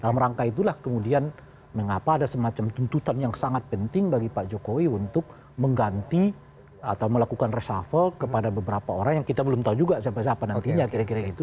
dalam rangka itulah kemudian mengapa ada semacam tuntutan yang sangat penting bagi pak jokowi untuk mengganti atau melakukan reshuffle kepada beberapa orang yang kita belum tahu juga siapa siapa nantinya kira kira gitu